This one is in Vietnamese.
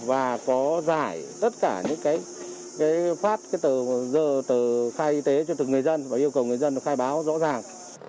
và có giải tất cả những cái phát tờ khai y tế cho từng người dân và yêu cầu người dân khai báo rõ ràng